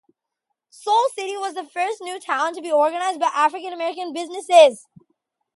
Soul City was the first new town to be organized by African-American businesses.